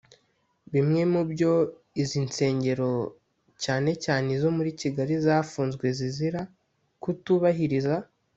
Bimwe mu byo izi nsengero cyane cyane izo muri Kigali zafunzwe zizira kutubahiriza